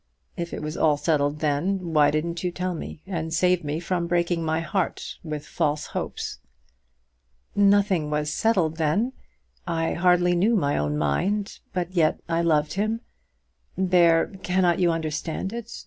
If it was all settled then, why didn't you tell me, and save me from breaking my heart with false hopes?" "Nothing was settled then. I hardly knew my own mind; but yet I loved him. There; cannot you understand it?